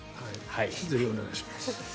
ぜひお願いします。